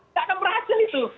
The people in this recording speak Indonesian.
tidak akan berhasil itu